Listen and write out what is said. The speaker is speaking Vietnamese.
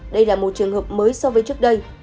đây là một trường hợp mới so với trước đây